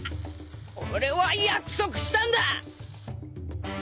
俺は約束したんだ。